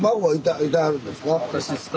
私ですか？